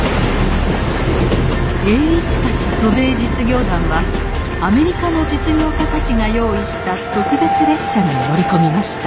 栄一たち渡米実業団はアメリカの実業家たちが用意した特別列車に乗り込みました。